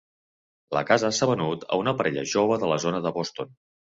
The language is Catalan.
La casa s'ha venut a una parella jove de la zona de Boston.